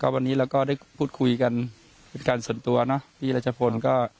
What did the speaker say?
วันนี้เราก็ได้พูดคุยกันเป็นการส่วนตัวนะพี่รัชพลก็